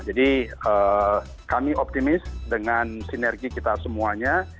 jadi kami optimis dengan sinergi kita semuanya